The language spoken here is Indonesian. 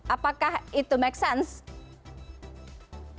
apakah itu make sense